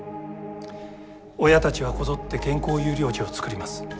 親たちはこぞって健康優良児を作ります。